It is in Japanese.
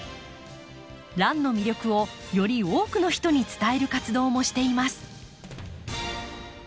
ランの魅力をより多くの人に伝える活動もしています。